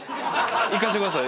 いかせてください。